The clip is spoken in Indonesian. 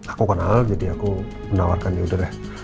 aku kenal jadi aku menawarkan yaudah deh